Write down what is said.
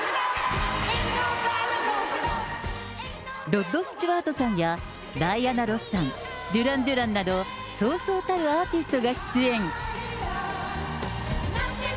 ロッド・スチュワートさんやダイアナ・ロスさん、デュラン・デュランなど、そうそうたるアーティストが出演。